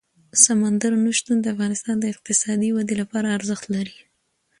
سمندر نه شتون د افغانستان د اقتصادي ودې لپاره ارزښت لري.